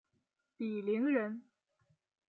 鄙陵人。